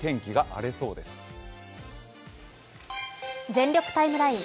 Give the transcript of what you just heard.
「全力タイムライン」。